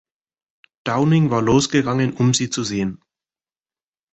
Downing war losgegangen, um Sie zu sehen.